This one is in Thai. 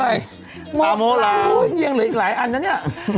อามโมลามยังเหลืออีกหลายอันนะนี่